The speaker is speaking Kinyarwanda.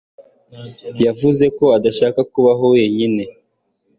yavuze ko adashaka kubaho wenyine.